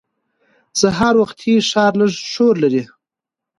سهار وختي ښار لږ شور لري